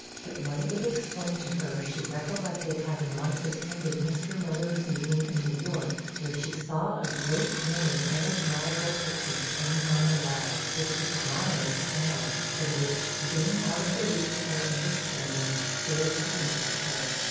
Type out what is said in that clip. But when it was explained to her, she recollected having once attended Mr. Miller's meeting in New York, where she saw a great many enigmatical pictures hanging on the wall, which she could not understand, and which, being out of the reach of her understanding, failed to interest her.